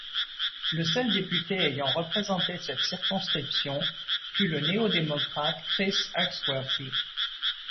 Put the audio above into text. Le seul député ayant représenté cette circonscription fut le néo-démocrate Chris Axworthy.